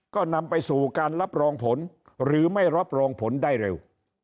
ก็นำไปสู่การรับรองผลหรือไม่รับรองผลได้เร็ว